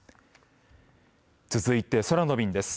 続いて空の便です。